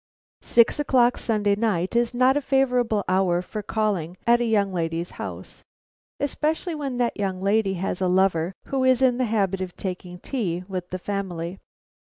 Six o'clock Sunday night is not a favorable hour for calling at a young lady's house, especially when that lady has a lover who is in the habit of taking tea with the family.